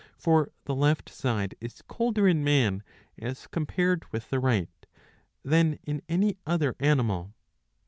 For the left side is colder in man, as compared with the right, than in any other animal.